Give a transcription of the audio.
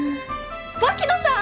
槙野さん！？